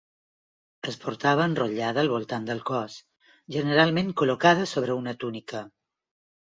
Es portava enrotllada al voltant del cos, generalment col·locada sobre una túnica.